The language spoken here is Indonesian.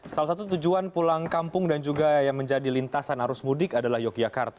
salah satu tujuan pulang kampung dan juga yang menjadi lintasan arus mudik adalah yogyakarta